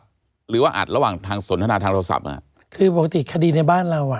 หรือว่าอัดระหว่างทางสนทนาทางโทรศัพท์อ่ะคือปกติคดีในบ้านเราอ่ะ